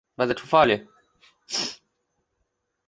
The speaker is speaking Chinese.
魏桓子只好同意了。